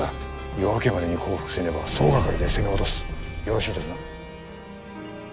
夜明けまでに降伏せねば総がかりで攻め落とすよろしいですな？